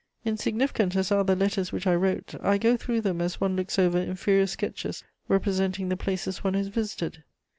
Insignificant as are the letters which I wrote, I go through them as one looks over inferior sketches representing the places one has visited.